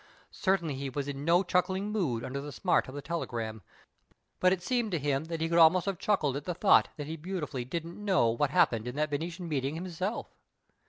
Certainly he was in no chuckling mood under the smart of the telegram, but it seemed to him that he could almost have chuckled at the thought that he beautifully didn't know what happened in that Venetian meeting himself